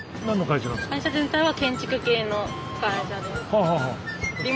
会社全体は建築系の会社です。